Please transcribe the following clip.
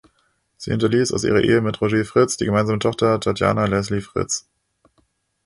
Sie hinterließ aus ihrer Ehe mit Roger Fritz die gemeinsame Tochter Tatjana Leslie Fritz.